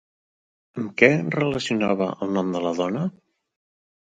Amb què relacionava el nom de la dona?